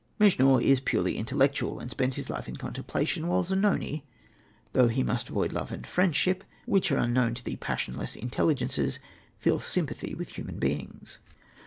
Mejnour is purely intellectual, and spends his life in contemplation; while Zanoni, though he must avoid love and friendship which are unknown to the passionless Intelligences, feels sympathy with human beings.